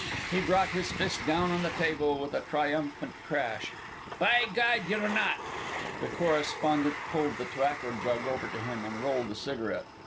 He brought his fist down on the table with a triumphant crash. "By God, yer not!" The correspondent pulled the tobacco jug over to him and rolled a cigarette.